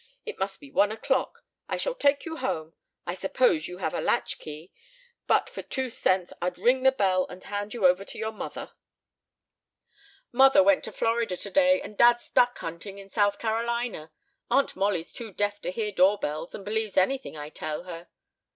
It must be one o'clock. I shall take you home. I suppose you have a latch key, but for two cents I'd ring the bell and hand you over to your mother." "Mother went to Florida today and dad's duck hunting in South Carolina. Aunt Mollie's too deaf to hear doorbells and believes anything I tell her."